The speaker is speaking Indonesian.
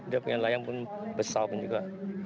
dan yang layang ini besar juga